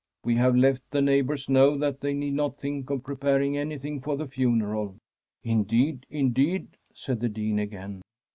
We have let the neighbours know that they need not think of preparing anything for the funeral.' Indeed, indeed I ' said the Dean again.